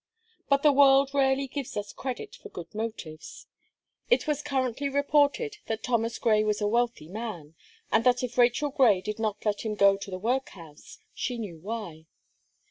But the world rarely gives us credit for good motives. It was currently reported that Thomas Gray was a wealthy man, and that if Rachel Gray did not let him go to the workhouse, she knew why.